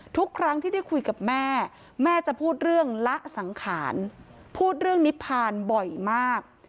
ทุกครั้งที่ได้คุยกับแม่แม่จะพูดเรื่องละสังขารพูดเรื่องนิพพานบ่อยมาก